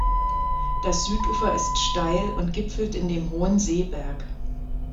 Das Südufer ist steil und gipfelt in dem hohen Seeberg.